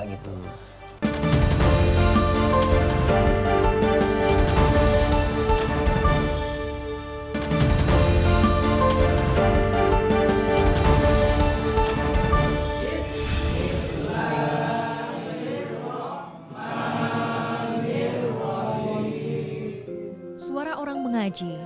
suara orang mengaji